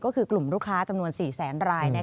ก็คือกลุ่มลูกค้าจำนวน๔แสนราย